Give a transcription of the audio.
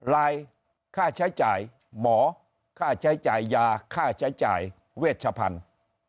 รายค่าใช้จ่ายหมอค่าใช้จ่ายยาค่าใช้จ่ายเวชพันธุ์